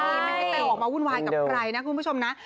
นี่ไม่ให้ไปออกมาวุ่นวายกับใครนะคุณผู้ชมนะ